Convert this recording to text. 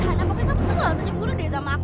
hannah pokoknya kamu tuh ga bisa nyemburu deh sama aku